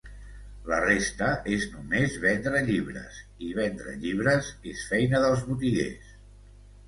La resta és només vendre llibres, i vendre llibres és feina dels botiguers.